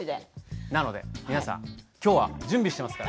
なので皆さんきょうは準備していますから。